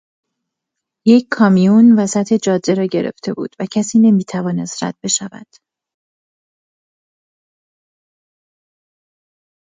یک کامیون وسط جاده را گرفته بود و کسی نمیتوانست رد بشود.